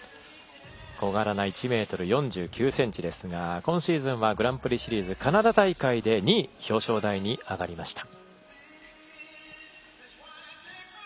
小柄な１ｍ４９ｃｍですが今シーズンはグランプリシリーズカナダ大会で２位、表彰台に上がりました。